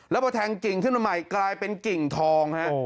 แล้วพอแทงกิ่งขึ้นมาใหม่กลายเป็นกิ่งทองฮะ